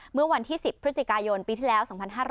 เมื่อวันที่๑๐พฤศจิกายนปีที่แล้ว๒๕๕๙